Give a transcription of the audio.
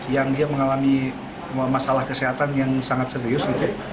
yang dia mengalami masalah kesehatan yang sangat serius gitu